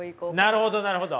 なるほどなるほど。